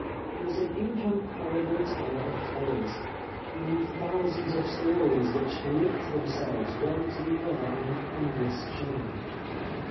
He was an incomparable teller of tales ; he knew thousands of stories which linked themselves one to the other in an endless chain."